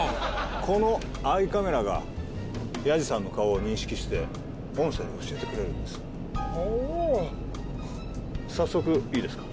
このアイカメラがヤジさんの顔を認識して音声で教えてくれるんですほお早速いいですか？